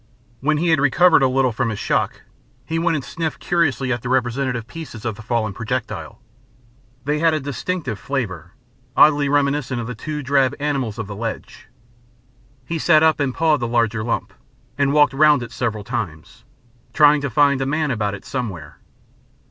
When he had recovered a little from his shock, he went and sniffed curiously at the representative pieces of the fallen projectile. They had a distinctive flavour, oddly reminiscent of the two drab animals of the ledge. He sat up and pawed the larger lump, and walked round it several times, trying to find a man about it somewhere....